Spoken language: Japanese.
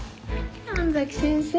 神崎先生。